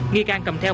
nghi can cầm theo